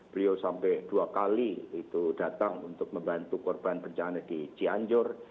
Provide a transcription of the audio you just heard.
beliau sampai dua kali itu datang untuk membantu korban bencana di cianjur